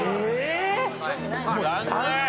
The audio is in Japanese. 残念。